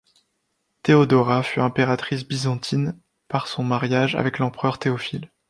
Théodora fut impératrice byzantine par son mariage avec l'empereur Théophile.